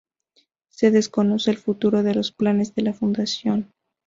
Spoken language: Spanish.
Se desconoce el futuro de los planes de la Fundación.